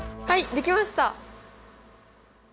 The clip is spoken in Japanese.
できました！